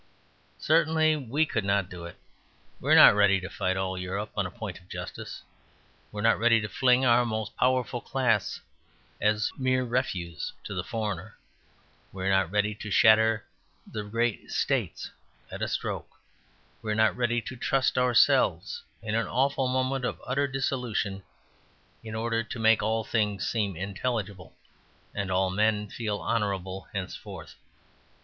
Certainly we could not do it. We are not ready to fight all Europe on a point of justice. We are not ready to fling our most powerful class as mere refuse to the foreigner; we are not ready to shatter the great estates at a stroke; we are not ready to trust ourselves in an awful moment of utter dissolution in order to make all things seem intelligible and all men feel honourable henceforth.